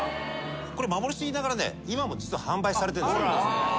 これ幻と言いながらね今実は販売されてるんです。